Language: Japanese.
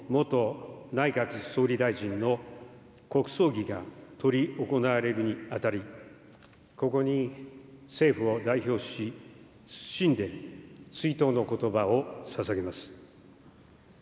従一位、大勲位菊花章頸飾、安倍元内閣総理大臣の国葬儀が執り行われるにあたり、ここに政府を代表し、謹んで追悼のことばをささげます。